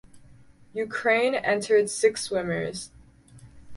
Ukraine entered six swimmers.